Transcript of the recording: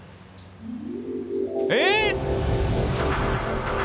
えっ！